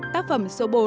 tác phẩm số bốn